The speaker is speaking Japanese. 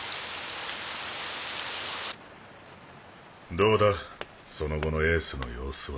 どうだその後のエースの様子は？